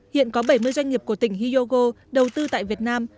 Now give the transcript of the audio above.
hiện có bảy mươi doanh nghiệp của tỉnh hyogo đầu tư tại việt nam